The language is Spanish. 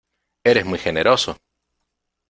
¡ eres muy generoso!